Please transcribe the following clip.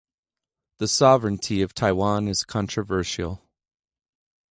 The sovereignty of Taiwan is controversial.